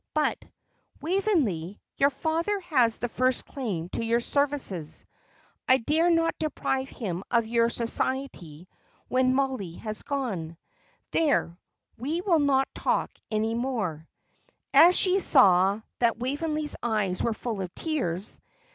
But, Waveney, your father has the first claim to your services. I dare not deprive him of your society when Mollie has gone. There, we will not talk any more," as she saw that Waveney's eyes were full of tears.